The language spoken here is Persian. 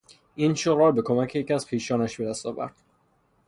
این شغل را به کمک یکی از خویشانش به دست آورد.